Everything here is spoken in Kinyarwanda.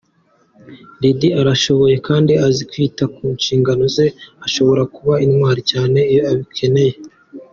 Lydie arashoboye kandi azi kwita ku nshingano ze, ashobora kuba intwari cyane iyo bikenewe.